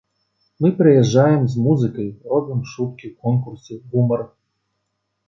Мы прыязджаем з музыкай, робім шуткі, конкурсы, гумар.